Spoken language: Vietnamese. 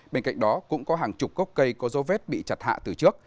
bên cạnh đó cũng có hàng chục gốc cây có dấu vết bị chặt hạ từ trước